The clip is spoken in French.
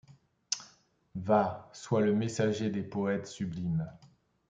Va, sois le messager des poètes sublimes !